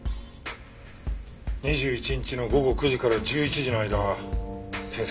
２１日の午後９時から１１時の間先生